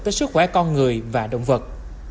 tới sức khỏe con người và động vật